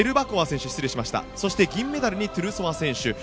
そして、銀メダルにトゥルソワ選手。